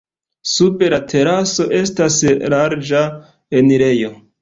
Sub la teraso estas la larĝa enirejo.